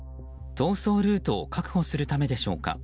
逃走ルートを確保するためでしょうか。